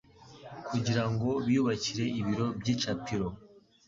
kugira ngo biyubakire ibiro by'icapiro.